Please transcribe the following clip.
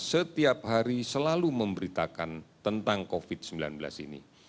setiap hari selalu memberitakan tentang covid sembilan belas ini